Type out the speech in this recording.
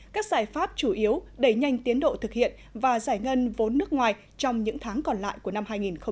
các giải pháp chủ yếu đẩy nhanh tiến độ thực hiện và giải ngân vốn nước ngoài trong những tháng còn lại của năm hai nghìn hai mươi